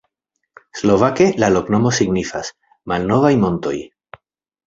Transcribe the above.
Slovake la loknomo signifas: malnovaj montoj.